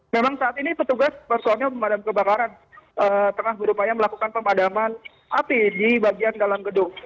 memang saat ini petugas personil pemadam kebakaran tengah berupaya melakukan pemadaman api di bagian dalam gedung